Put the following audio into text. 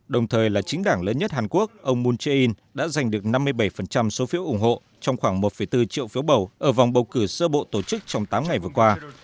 đồng thời là chính đảng lớn nhất hàn quốc ông moon jae in đã giành được năm mươi bảy số phiếu ủng hộ trong khoảng một bốn triệu phiếu bầu ở vòng bầu cử sơ bộ tổ chức trong tám ngày vừa qua